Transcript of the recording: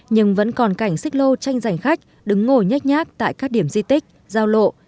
nhưng vẫn còn cảnh xích lô tranh giành khách đứng ngồi nhách nhác tại các điểm di tích giao lộ